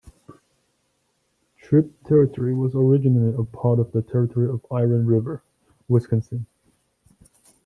Tripp Territory was originally a part of the territory of Iron River, Wisconsin.